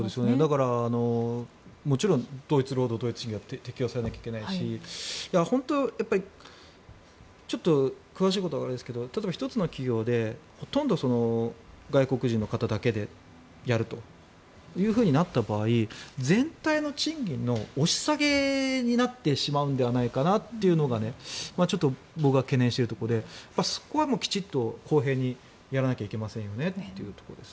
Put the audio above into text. だから、もちろん同一労働同一賃金は適用されなきゃいけないし本当、ちょっと詳しいことはわからないですけど例えば１つの企業でほとんど外国人の方だけでやるとなった場合全体の賃金の押し下げになってしまうのではないかなというのがちょっと僕が懸念しているところでそこはきちっと公平にやらなきゃいけませんよというところで。